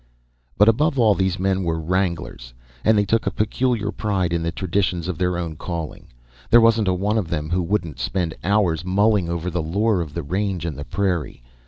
But above all, these men were wranglers, and they took a peculiar pride in the traditions of their own calling. There wasn't a one of them who wouldn't spend hours mulling over the lore of the range and the prairie.